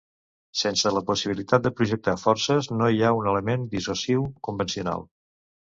Sense la possibilitat de projectar forces, no hi ha un element dissuasiu convencional.